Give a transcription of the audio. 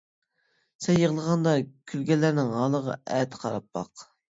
سەن يىغلىغاندا كۈلگەنلەرنىڭ ھالىغا ئەتە قاراپ باق!